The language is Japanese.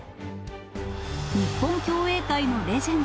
日本競泳界のレジェンド、